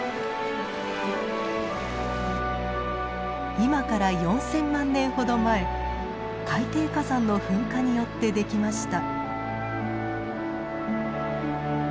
今から４，０００万年ほど前海底火山の噴火によってできました。